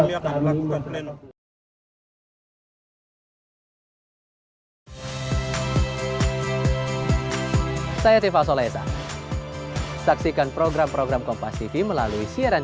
itu yang ditetapkan baru kami akan lakukan